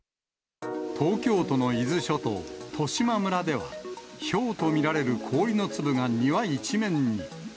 東京都の伊豆諸島、利島村では、ひょうと見られる氷の粒が、庭一面に。